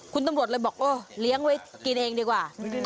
คุณตำรวจเลยบอกโอ้เลี้ยงไว้กินเองดีกว่า